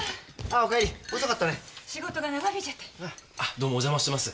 どうもお邪魔してます。